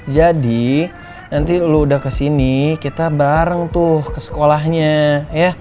jadi nanti lo udah kesini kita bareng tuh ke sekolahnya ya